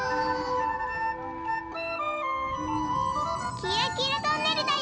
きらきらトンネルだよ。